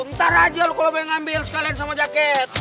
ntar aja lo kalau mau ngambil sekalian sama jaket